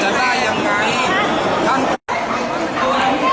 มันจะได้ยังไงตั้งแต่วันตัวนี้